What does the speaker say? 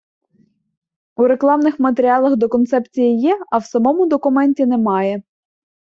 У рекламних матеріалах до Концепції є, а в самому документі немає.